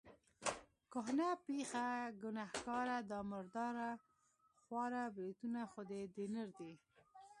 کهنه پېخه، ګنهګاره، دا مردار خواره بریتونه خو دې د نر دي.